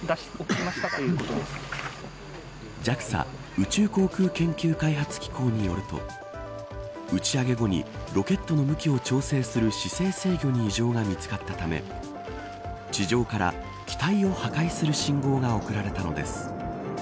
ＪＡＸＡ宇宙航空研究開発機構によると打ち上げ後にロケットの向きを調整する姿勢制御に異常が見つかったため地上から機体を破壊する信号が送られたのです。